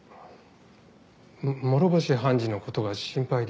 諸星判事の事が心配で。